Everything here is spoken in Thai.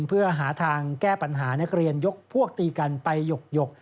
เพื่อหาทางแก้ปัญหานักเรียนยกพวกตีกันไปหยก